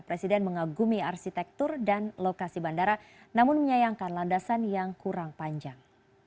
presiden mengagumi arsitektur dan lokasi bandara namun menyayangkan landasan yang kurang panjang